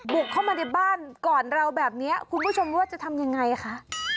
บุกเข้ามาในบ้านก่อนเราแบบนี้คุณผู้ชมว่าจะทำยังไงคะ